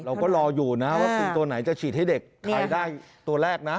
เราก็รออยู่นะวัคซีนตัวไหนจะฉีดให้เด็กไทยได้ตัวแรกนะ